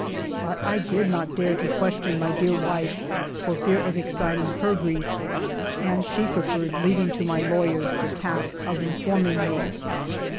But I did not dare to question my dear wife for fear of exciting her grief, and she preferred leaving to my lawyers the task of informing me.